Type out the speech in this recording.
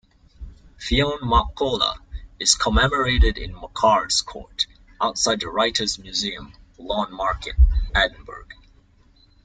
Fionn Mac Colla is commemorated in Makars' Court, outside The Writers' Museum, Lawnmarket, Edinburgh.